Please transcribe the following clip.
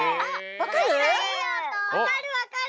わかるわかる。